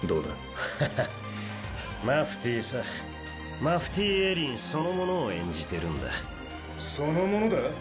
ははっマフティーさマフティー・エリンそのものを演じてるそのものだ？